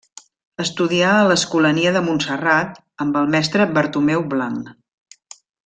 Estudià a l'escolania de Montserrat amb el mestre Bartomeu Blanch.